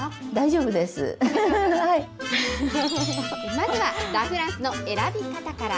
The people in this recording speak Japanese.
まずはラ・フランスの選び方から。